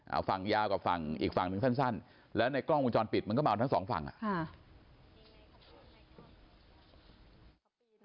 เอาฝั่งยาวกว่าฝั่งอีกฝั่งหนึ่งสั้นสั้นแล้วในกล้องวงจรปิดมันก็มาเอาทั้งสองฝั่งอ่ะค่ะ